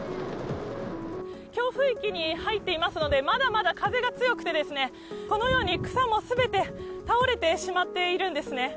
強風域に入っていますので、まだまだ風が強くて、このように草もすべて倒れてしまっているんですね。